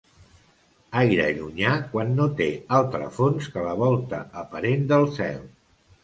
Aire llunyà quan no té altre fons que la volta aparent del cel.